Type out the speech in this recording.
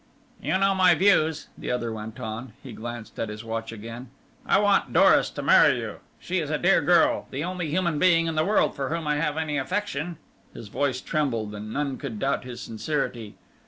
"You know my views," the other went on he glanced at his watch again. "I want Doris to marry you. She is a dear girl, the only human being in the world for whom I have any affection." His voice trembled, and none could doubt his sincerity.